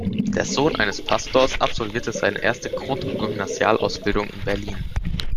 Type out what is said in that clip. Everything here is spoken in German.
Der Sohn eines Pastors, absolvierte seine erste Grund- und Gymnasialausbildung in Berlin.